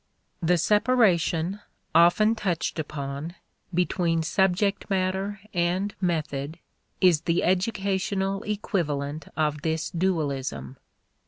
The separation, often touched upon, between subject matter and method is the educational equivalent of this dualism.